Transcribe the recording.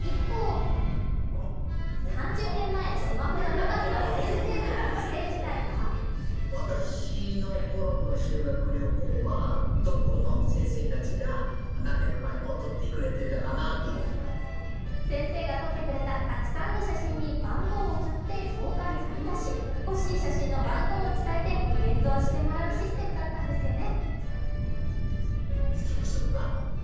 一方３０年前、スマホがなかった先生の学生時代は先生が撮ってくれたたくさんの写真に番号を振って廊下に貼りだし欲しい写真の番号を伝えて現像してもらうシステムだったんですよね。